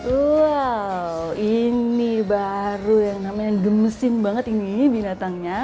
wow ini baru yang namanya gemesin banget ini binatangnya